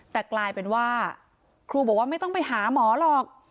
แต่กลายเป็นว่าครูบอกว่าไม่ต้องไปหาหมอหรอก